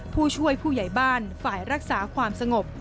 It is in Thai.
ผู้ช่วยผู้ใหญ่บ้านฝ่ายรักษาความสงบ